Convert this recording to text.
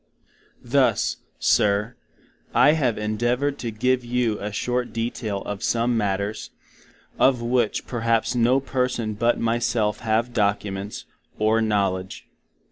Thus, Sir, I have endeavoured to give you a Short detail of some matters, of which perhaps no person but my self have documents, or knowledge.